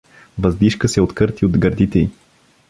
Въздишка се откърти от гърдите й.